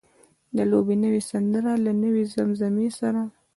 د لوبې نوې سندره له نوې زمزمې سره.